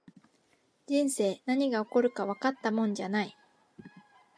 人生、何が起こるかわかったもんじゃない